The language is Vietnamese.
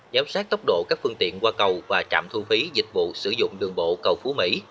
giám sát tốc độ các phương tiện qua cầu và trạm thu phí dịch vụ sử dụng đường bộ cầu phú mỹ